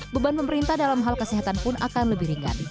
beban pemerintah dalam hal kesehatan pun akan lebih ringan